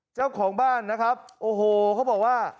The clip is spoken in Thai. เจ้าของบ้านนะครับโอ้โหเขาบอกว่า